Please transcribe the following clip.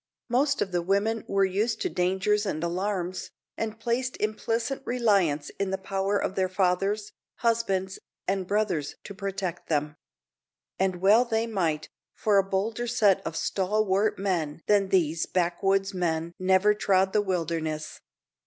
Most of the women were used to dangers and alarms, and placed implicit reliance in the power of their fathers, husbands, and brothers to protect them; and well they might, for a bolder set of stalwart men than these backwoodsmen never trod the wilderness.